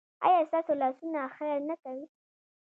ایا ستاسو لاسونه خیر نه کوي؟